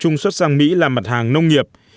trung xuất sang mỹ làm mặt hàng nông nghiệp